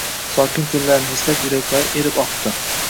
Sokin kunlarini eslab yuraklari erib oqdi